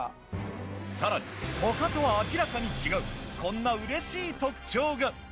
更に他とは明らかに違うこんなうれしい特徴が！